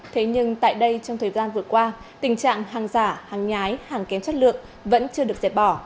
thế nhưng tại đây trong thời gian vừa qua tình trạng hàng giả hàng nhái hàng kém chất lượng vẫn chưa được dẹp bỏ